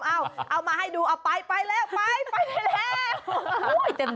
เอาเอามาให้ดูเอาไปไปแล้วไปไปแล้ว